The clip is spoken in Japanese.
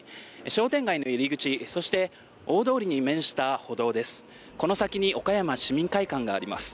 商店街の入り口、そして大通りに面した歩道です。